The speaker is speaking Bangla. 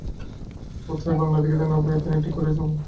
বোধ হয় ও বাংলায় দেখিতে না পাইয়া তিনি ঠিক করিয়াছেন কমলা এখানেই আছেন।